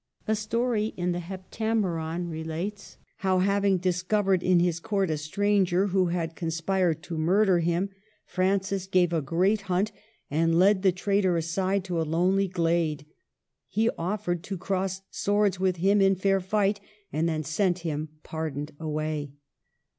A story in the " Heptameron " relates how, having dis covered in his court a stranger who had con spired to murder him, Francis gave a great THE YOUNG KING AND HIS RIVALS. 33 hunt, and, leading the traitor aside to a lonely glade, he offered to cross swords with him in fair fight, and then sent him pardoned away.